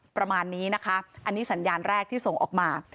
ประมาณนี้นะคะอันนี้สัญญาณแรกที่ส่งออกมา